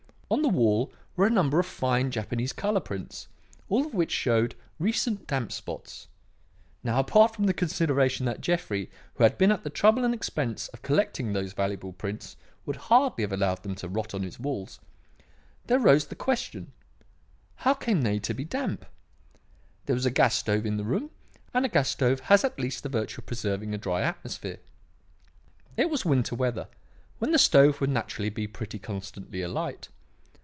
On the wall were a number of fine Japanese colour prints, all of which showed recent damp spots. Now, apart from the consideration that Jeffrey, who had been at the trouble and expense of collecting these valuable prints, would hardly have allowed them to rot on his walls, there arose the question: How came they to be damp? There was a gas stove in the room, and a gas stove has at least the virtue of preserving a dry atmosphere. It was winter weather, when the stove would naturally be pretty constantly alight.